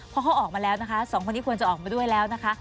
เพราะเขาออกมาแล้วนะคะสองคนนี้ควรจะออกมาด้วยแล้วนะคะ